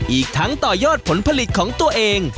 อีกทั้งต่อยอดผลผลิตของตัวเอง